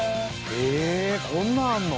ええこんなあんの？